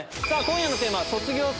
さぁ今夜のテーマは。